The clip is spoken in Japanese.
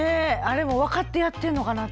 あれも分かってやってんのかな？